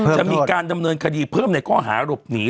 จะมีการดำเนินคดีเพิ่มในข้อหาหลบหนี